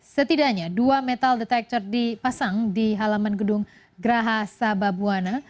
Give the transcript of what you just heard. setidaknya dua metal detector dipasang di halaman gedung geraha sababwana